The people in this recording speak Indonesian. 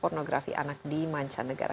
pornografi anak di mancanegara